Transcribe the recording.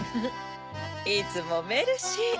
いつもメルシー。